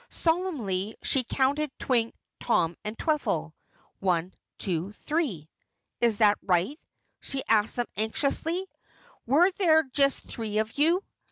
Solemnly she counted Twink, Tom, and Twiffle one, two, three. "Is that right?" she asked them anxiously. "Were there just three of you?